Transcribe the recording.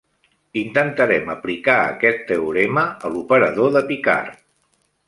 Intentarem aplicar aquest teorema a l'operador de Picard.